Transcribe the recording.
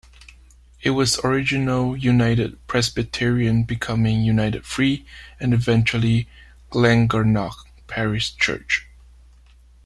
It was original United Presbyterian becoming United Free and eventually Glengarnock Parish Church.